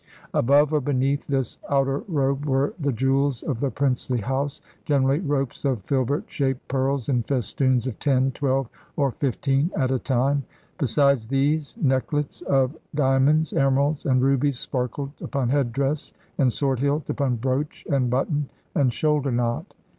Above or beneath this outer robe were the jewels of the princely house, generally ropes of filbert shaped pearls in festoons of ten, twelve, or fifteen at a time. Besides these, neck lets of diamonds, emeralds, and rubies sparkled upon head dress and sword hilt, upon brooch and button and shoulder knot."